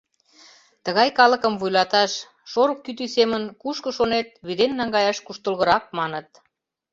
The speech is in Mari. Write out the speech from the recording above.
Тыгай калыкым вуйлаташ, шорык кӱтӱ семын, кушко шонет, вӱден наҥгаяш куштылгырак, маныт...